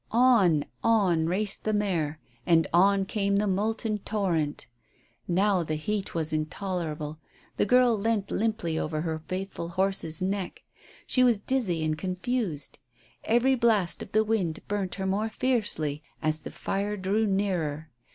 On, on raced the mare, and on came the molten torrent. Now the heat was intolerable. The girl leant limply over her faithful horse's neck; she was dizzy and confused. Every blast of the wind burnt her more fiercely as the fire drew nearer.